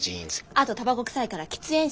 あとタバコ臭いから喫煙者。